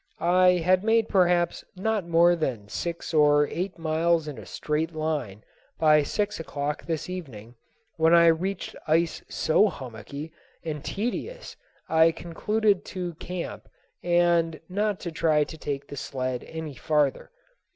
I had made perhaps not more than six or eight miles in a straight line by six o'clock this evening when I reached ice so hummocky and tedious I concluded to camp and not try to take the sled any farther.